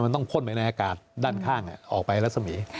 มันต้องพ่นไปในอากาศด้านข้างออกไปแล้วสมมุติ